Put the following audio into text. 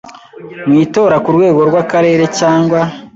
mu itora ku rwego rw Akarere cyangwa